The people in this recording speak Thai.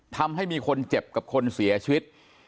ทำให้มีคนเจ็บกับคนเสียชีวิต